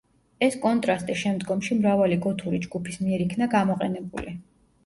ეს კონტრასტი შემდგომში მრავალი გოთური ჯგუფის მიერ იქნა გამოყენებული.